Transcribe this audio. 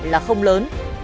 là không lớn